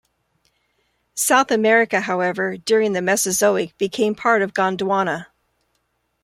South America however, during the Mesozoic became part of Gondwana.